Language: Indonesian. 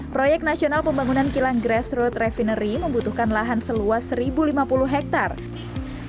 proyek nasional pembangunan kilang grassroot refinery membutuhkan lahan seluas satu lima puluh hektare